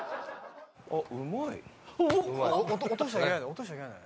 落としちゃいけない。